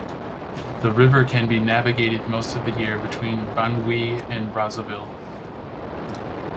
The river can be navigated most of the year between Bangui and Brazzaville.